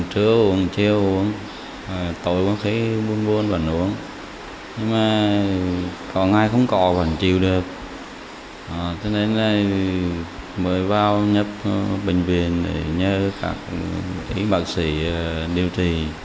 trước khắc đi bác sĩ điều trị